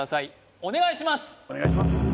お願いします